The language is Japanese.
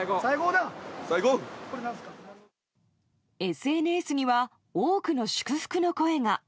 ＳＮＳには多くの祝福の声が。